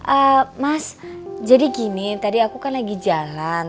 eee mas jadi gini tadi aku kan lagi jalan